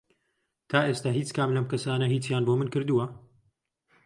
تا ئێستا هیچ کام لەم کەسانە هیچیان بۆ من کردووە؟